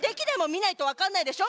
見ないと分かんないでしょ？